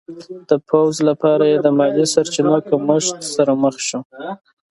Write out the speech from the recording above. د پوځ لپاره یې د مالي سرچینو کمښت سره مخ شو.